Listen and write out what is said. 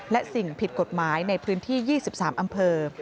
และสิ่งผิดกฎหมายในพื้นที่๒๓อำเภอ